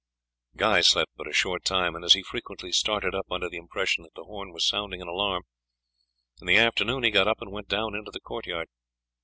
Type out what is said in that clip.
Guy slept but a short time, and as he frequently started up under the impression that the horn was sounding an alarm, in the afternoon he got up and went down into the courtyard.